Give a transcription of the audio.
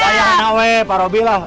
saya ranawe pak robby lah